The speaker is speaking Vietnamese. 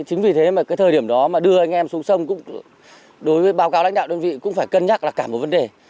chính vì thế mà cái thời điểm đó mà đưa anh em xuống sông đối với báo cáo lãnh đạo đơn vị cũng phải cân nhắc là cả một vấn đề